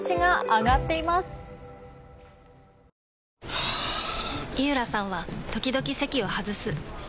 はぁ井浦さんは時々席を外すはぁ。